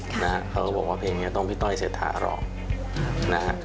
เขาก็บอกว่าเพลงนี้ต้องพี่ต้อยเศรษฐารอง